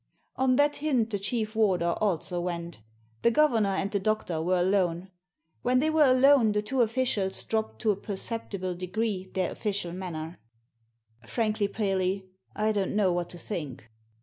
On that hint the chief warder also went The governor and the doctor were alone. When they were alone the two officials dropped to a perceptible degree their official manner. " Frankly, Paley, I don't know what to think."